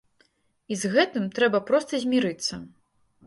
І з гэтым трэба проста змірыцца.